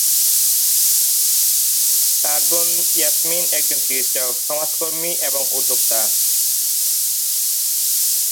তার বোন ইয়াসমিন একজন চিকিৎসক, সমাজকর্মী এবং উদ্যোক্তা।